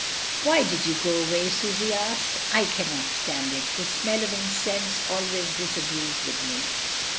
"Why did you go away?" Susy asked. "I cannot stand it — the smell of incense always disagrees with me.